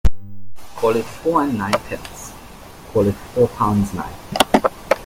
Call it four and ninepence — call it four pounds nine.